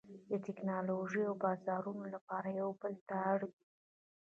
د ټکنالوژۍ او بازارونو لپاره یو بل ته اړ دي